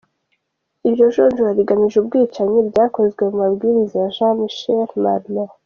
Iryo jonjora rigamije ubwicanyi ryakozwe ku mabwiriza ya Jean-Michel Marlaud.